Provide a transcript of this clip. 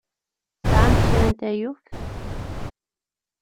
Tesɛamt kra n taluft?